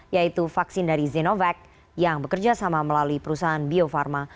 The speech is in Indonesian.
yaitu vaksin dari zinovac yang bekerjasama melalui perusahaan bio farma